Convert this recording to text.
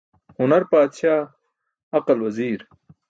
Hunar paadsaa, aqal waziir.